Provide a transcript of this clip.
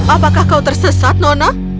apakah kau tersesat nona